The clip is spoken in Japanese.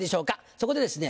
そこでですね